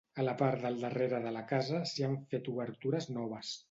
A la part del darrere de la casa s'hi han fet obertures noves.